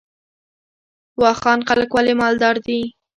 واخان خلک ولې مالدار دي؟